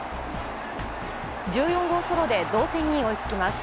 １４号ソロで同点に追いつきます。